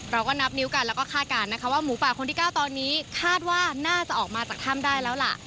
เราก็นับนิ้วกันแล้วก็คาดการณ์นะคะว่าหมูป่าคนที่๙ตอนนี้คาดว่าน่าจะออกมาจากถ้ำได้แล้วล่ะ